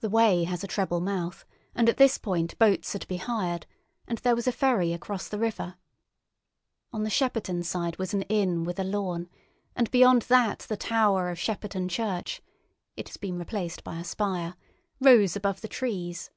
The Wey has a treble mouth, and at this point boats are to be hired, and there was a ferry across the river. On the Shepperton side was an inn with a lawn, and beyond that the tower of Shepperton Church—it has been replaced by a spire—rose above the trees.